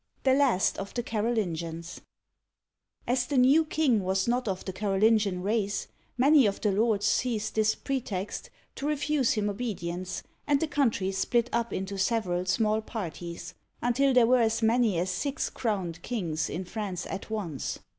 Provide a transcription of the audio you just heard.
THE LAST OF THE CAROLINGIANS AS the new king was not of the Carolingian race, many of the lords seized this pretext to refuse him obedi ence, and the country split up into several small parties, until there were as many as six crowned kings in France at once